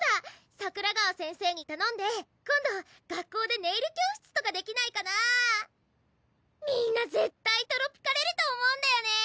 桜川先生にたのんで今度学校でネイル教室とかできないかなみんな絶対トロピカれると思うんだよね